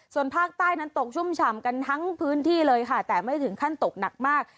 ส่วนภาคใต้นั้นตกชุ่มฉ่ำกันทั้งพื้นที่เลยค่ะแต่ไม่ถึงขั้นตกหนักมาก